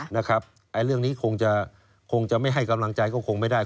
เรื่องนี้คงจะคงจะไม่ให้กำลังใจก็คงไม่ได้